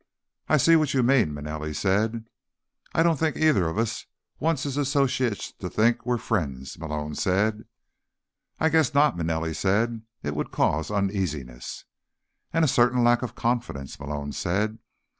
"I see what you mean," Manelli said. "I don't think either one of us wants his associates to think we're friends," Malone said. "I guess not," Manelli said. "It would cause uneasiness." "And a certain lack of confidence," Malone said.